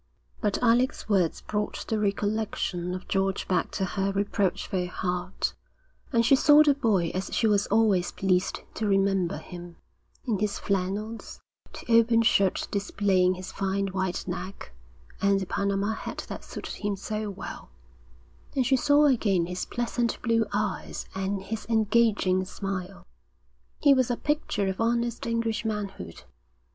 But Alec's words brought the recollection of George back to her reproachful heart, and she saw the boy as she was always pleased to remember him, in his flannels, the open shirt displaying his fine white neck, with the Panama hat that suited him so well; and she saw again his pleasant blue eyes and his engaging smile. He was a picture of honest English manhood.